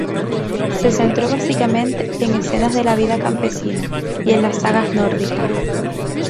Se centró básicamente en escenas de la vida campesina y en las sagas nórdicas.